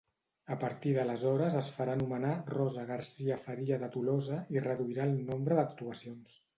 A partir d’aleshores es farà anomenar Rosa Garcia-Faria de Tolosa i reduirà el nombre d’actuacions.